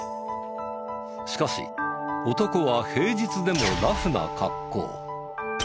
しかし男は平日でもラフな格好。